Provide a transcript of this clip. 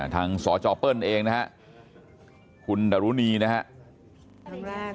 ทางสจเปิ้ลเองนะครับคุณดารุณีนะครับ